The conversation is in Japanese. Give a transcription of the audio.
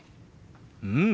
うん！